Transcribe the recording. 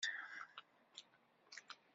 Yuba ur yettkeyyif.